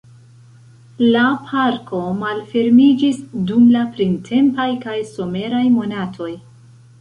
La parko malfermiĝis dum la printempaj kaj someraj monatoj.